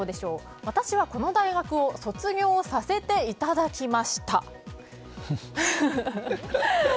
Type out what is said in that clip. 私はこの大学を卒業させていただきました。